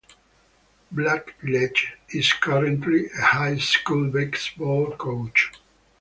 Blackledge is currently a high school basketball coach.